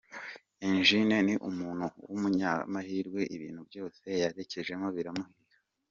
Eugene ni umuntu w’ umunyamahirwe ibintu byose yerekejemo biramuhira.